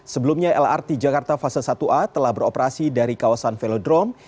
sebelumnya lrt jakarta fase satu a telah beroperasi dari kawasan velodrome